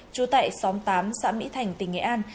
trú tại xóm tám xã mỹ thành tỉnh nghệ an